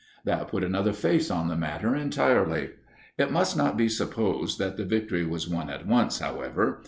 That put another face on the matter entirely. It must not be supposed that the victory was won at once, however.